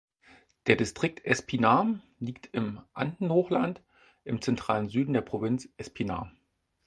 Der Distrikt Espinar liegt im Andenhochland im zentralen Süden der Provinz Espinar.